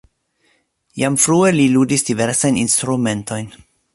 Jam frue li ludis diversajn instrumentojn.